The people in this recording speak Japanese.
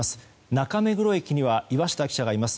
中目黒駅には岩下記者がいます。